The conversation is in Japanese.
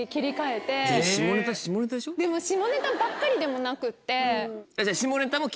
でも下ネタばっかりでもなくって。